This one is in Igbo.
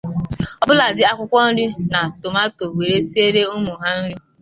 ọbụladị akwụkwọ nri na tomato were siere ụmụ ha nri